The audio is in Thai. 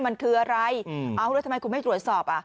มันคืออะไรเอาแล้วทำไมคุณไม่ตรวจสอบอ่ะ